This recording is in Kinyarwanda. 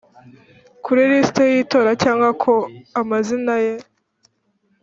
Kuri lisiti y itora cyangwa ko amazina ye